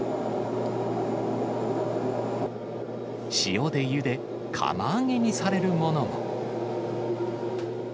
塩でゆで、釜揚げにされるものも。